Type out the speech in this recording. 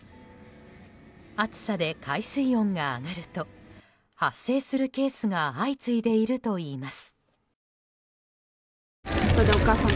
暑さで海水温が上がると発生するケースが相次いでいるといいます。